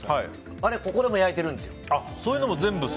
あれ、ここで焼いてるんです。